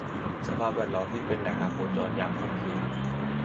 สภาพแวดล้อมที่เป็นแหล่งอโคจรยามค่ำคืน